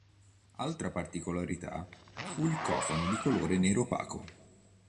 Altra particolarità fu il cofano di colore nero opaco.